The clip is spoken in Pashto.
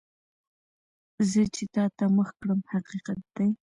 زه چې تا ته مخ کړم، حقیقت دی.